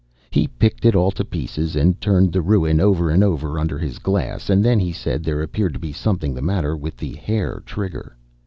He picked it all to pieces, and turned the ruin over and over under his glass; and then he said there appeared to be something the matter with the hair trigger.